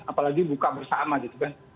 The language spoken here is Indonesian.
apalagi buka bersama gitu kan